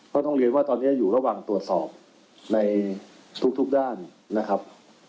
ต้องเรียนว่าตอนนี้อยู่ระหว่างตรวจสอบในทุกด้านนะครับ